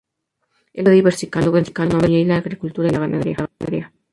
El municipio fue diversificando su economía en la agricultura y la ganadería.